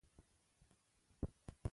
سوالګر ته د باران اوبه هم تازه ښکاري